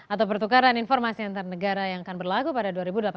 atau pertukaran informasi antar negara yang akan berlaku pada dua ribu delapan belas